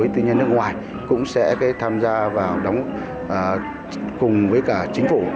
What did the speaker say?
tư nhân nước ngoài cũng sẽ tham gia và đóng cùng với cả chính phủ